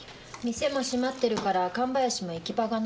店も閉まってるから神林も行き場がない。